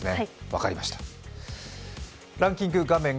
分かりました。